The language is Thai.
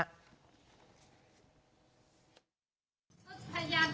ครับคนที่ตายฟ้าขวดไล่ตีก่อนครับ